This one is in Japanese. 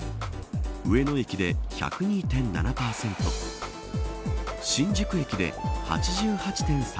上野駅で１０２．７％新宿駅で８８．３％